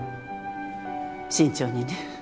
慎重にね。